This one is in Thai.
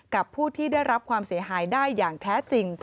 กับผู้ที่ได้รับความเสียหายได้อย่างแท้จริง